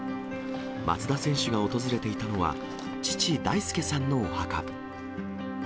松田選手が訪れていたのは、父、大輔さんのお墓。